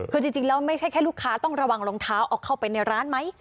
คือจริงแล้วไม่ใช่แค่ลูกค้าต้องระวังรองเท้าเอาเข้าไปในร้านไหม